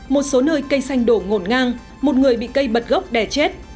một số nơi cây xanh đổ ngổn ngang một người bị cây bật gốc đè chết